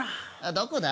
どこだ？